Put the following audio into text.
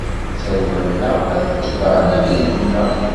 Tarwa-nneɣ ad tebɛen abrid-nneɣ.